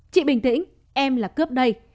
chị bình tĩnh em là cướp đây